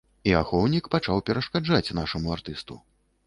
А ахоўнік пачаў перашкаджаць нашаму артысту.